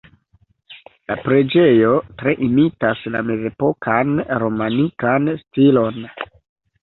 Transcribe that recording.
La preĝejo tre imitas la mezepokan romanikan stilon.